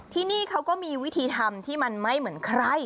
ที่นี่เขาก็มีวิธีทำที่มันไม่เหมือนใคร